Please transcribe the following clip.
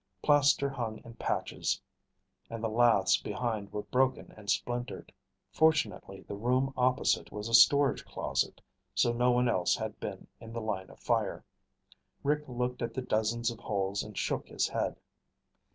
Plaster hung in patches and the laths behind were broken and splintered. Fortunately, the room opposite was a storage closet, so no one else had been in the line of fire. Rick looked at the dozens of holes and shook his head.